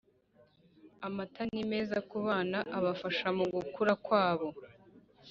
amata ni meza ku bana kandi abafasha mugukura kwabo